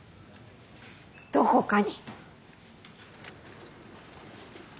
どこかに。